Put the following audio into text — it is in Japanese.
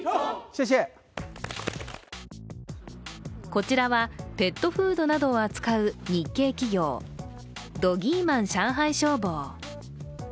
こちらはペットフードなどを扱う日系企業、ドギーマン上海商貿。